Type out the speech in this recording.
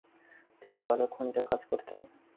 তিনি কয়লার খনিতে কাজ করতেন।